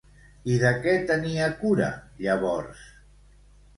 I de què tenia cura, llavors?